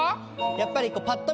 やっぱり。